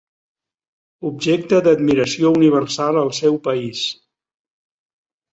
Objecte d'admiració universal al seu país.